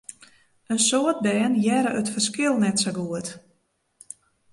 In protte bern hearre it ferskil net sa goed.